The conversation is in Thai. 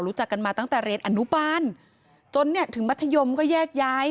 รู้จักกันมาตั้งแต่เรียนอนุบาลจนเนี่ยถึงมัธยมก็แยกย้าย